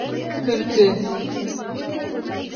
Көлкө!